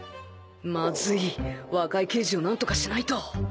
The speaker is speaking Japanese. まずい若井刑事を何とかしないと